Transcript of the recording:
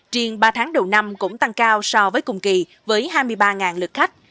triên ba tháng đầu năm cũng tăng cao so với cùng kỳ với hai mươi ba lực khách